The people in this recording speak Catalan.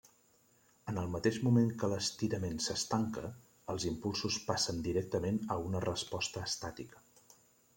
En el mateix moment que l'estirament s'estanca, els impulsos passen directament a una resposta estàtica.